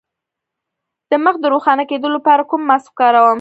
د مخ د روښانه کیدو لپاره کوم ماسک وکاروم؟